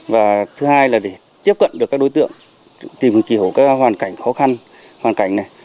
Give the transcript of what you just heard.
và thứ hai là để tiếp cận được các đối tượng tìm hiểu các hoàn cảnh khó khăn hoàn cảnh này